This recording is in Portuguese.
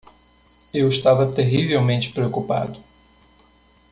Eu estava terrivelmente preocupado.